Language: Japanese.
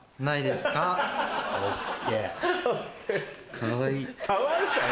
かわいい。